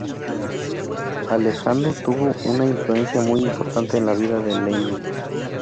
Alejando tuvo una influencia muy importante en la vida de Lenin.